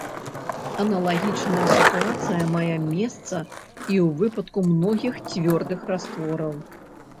Аналагічная сітуацыя мае месца і ў выпадку многіх цвёрдых раствораў.